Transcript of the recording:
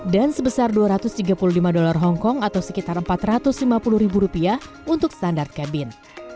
sebesar dua ratus tiga puluh lima dolar hongkong atau sekitar empat ratus lima puluh ribu rupiah untuk standar cabin